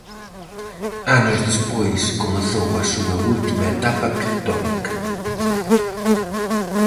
Anos despois comezou a súa última etapa pictórica.